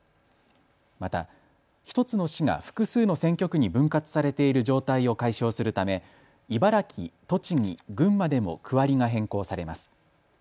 また１つの市が複数の選挙区に分割されている状態を解消するため茨城、栃木、群馬でも区割りが変更されます。